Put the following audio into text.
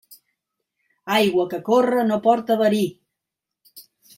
Aigua que corre no porta verí.